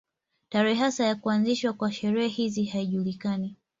Tarehe hasa ya kuanzishwa kwa sherehe hizi haijulikani.